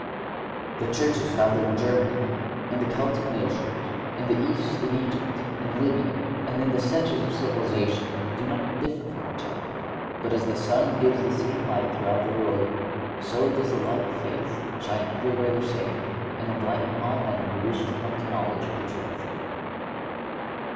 The churches founded in Germany, in the Celtic nations, in the East in Egypt, in Lybia, and in the centres of civilization, do not differ from each other; but as the sun gives the same light throughout the world, so does the light of faith shine everywhere the same and enlighten all men who wish to come to the knowledge of the truth."